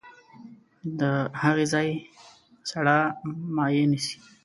د هغې ځای سړه مایع نیسي.